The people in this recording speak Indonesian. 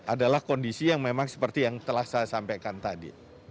adalah kondisi yang memang seperti yang telah saya sampaikan tadi